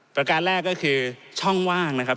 ประการแรกก็คือช่องว่างนะครับ